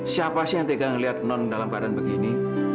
siapa sih yang tegang ngelihat non dalam badan begini